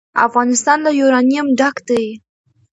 افغانستان له یورانیم ډک دی.